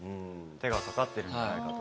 手が掛かってるんじゃないかと。